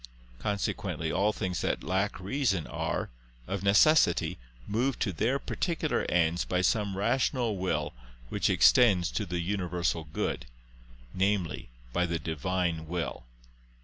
Consequently all things that lack reason are, of necessity, moved to their particular ends by some rational will which extends to the universal good, namely by the Divine will.